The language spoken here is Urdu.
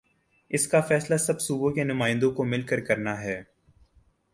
اس کا فیصلہ سب صوبوں کے نمائندوں کو مل کر نا ہے۔